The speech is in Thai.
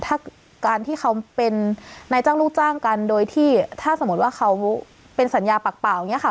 ถ้าการที่เขาเป็นนายจ้างลูกจ้างกันโดยที่ถ้าสมมุติว่าเขาเป็นสัญญาปากเปล่าอย่างนี้ค่ะ